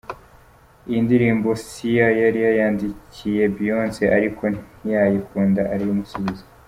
Iyi ndirimbo Sia yari yayandikiye Beyonce ariko ntiyayikunda arayimusubiza.